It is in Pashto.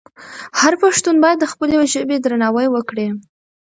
هر پښتون باید د خپلې ژبې درناوی وکړي.